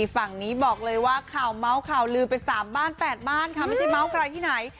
ฝั่งนี้บอกเลยว่าข่าวเมาส์ข่าวลือไป๓บ้าน๘บ้านค่ะไม่ใช่เมาส์ใครที่ไหน